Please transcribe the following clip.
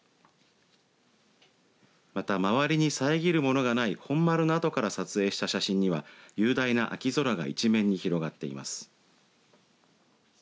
また周りに遮るものがない本丸の跡から撮影した写真には雄大な秋空が一面に広がっています。